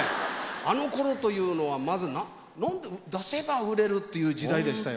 あのころというのはまず何で出せば売れるっていう時代でしたよ。